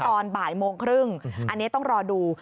ตอนบ่ายโมงครึ่งอันนี้ต้องรอดู